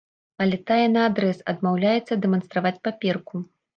Але тая наадрэз адмаўляецца дэманстраваць паперку.